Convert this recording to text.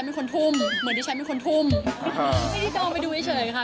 บางสื่อก็ทำรูปออกมา